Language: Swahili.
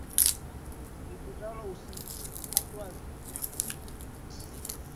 la eneo fulani katika kesi hii Meskhetia